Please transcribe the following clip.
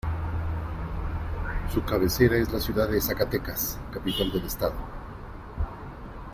Su cabecera es la ciudad de Zacatecas, capital del estado.